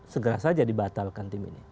segera saja dibatalkan tim ini